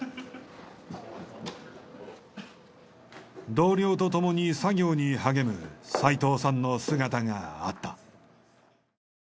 同僚と共に作業に励む斉藤さんの姿があった。